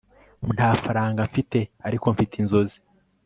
nta faranga mfite, ariko mfite inzozi